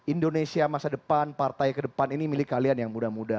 indonesia masa depan partai kedepan ini milih kalian yang muda muda